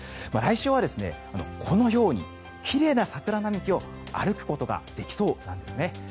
来週はこのように奇麗な桜並木を歩くことができそうなんですね。